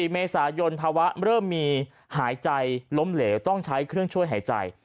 ๔เมษายนภาวะเริ่มมีหายใจล้มเหลวต้องใช้เครื่องช่วยหายใจ